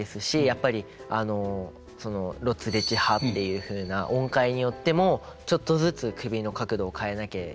やっぱり「ロツレチハ」っていうふうな音階によってもちょっとずつ首の角度を変えなきゃいけなかったりとか。